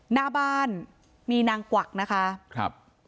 หน้าบ้านมีนางกวักนะคะครับ